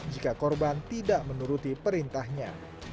jika korban tidak menuruti perintahnya